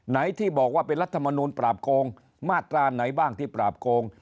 ที่บอกว่าเป็นรัฐมนูลปราบโกงมาตราไหนบ้างที่ปราบโกง